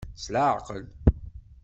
S laɛqel.